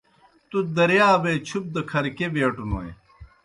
تُوْ دریابے چُپ دہ کھر کیْہ بیٹوْنوئے؟